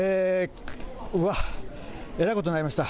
うわ、えらいことになりました。